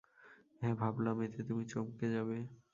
হ্যাঁ, ভাবলাম এতে তুমি চমকে যাবে।